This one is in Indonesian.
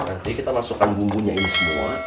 nanti kita masukkan bumbunya ini semua